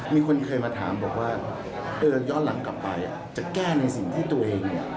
มีคนเคยมาถามยอดหลังกลับไปจะแก้ในสิ่งที่ตัวเอง